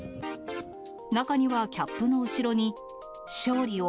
中には、キャップの後ろに、勝利を！